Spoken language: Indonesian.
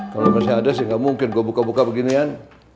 kalau masih ada sih nggak mungkin gue buka buka beginian